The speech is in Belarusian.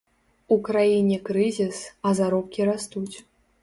У краіне крызіс, а заробкі растуць.